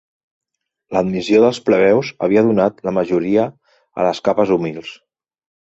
L'admissió dels plebeus havia donat la majoria a les capes humils.